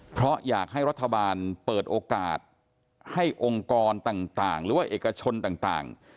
เพราะอยากให้รัฐบาลเปิดโอกาสให้องค์กรต่างหรือว่าเอกชนต่าง